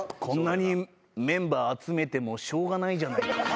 こんなにメンバー集めてもしょうがないじゃないか。